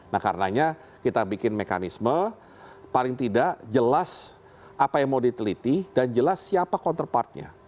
nah karenanya kita bikin mekanisme paling tidak jelas apa yang mau diteliti dan jelas siapa counterpartnya